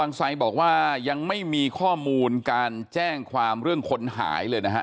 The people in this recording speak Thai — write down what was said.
ไซด์บอกว่ายังไม่มีข้อมูลการแจ้งความเรื่องคนหายเลยนะฮะ